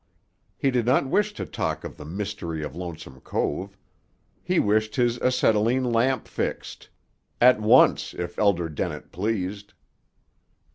He did not wish to talk of the mystery of Lonesome Cove. He wished his acetylene lamp fixed. At once, if Elder Dennett pleased.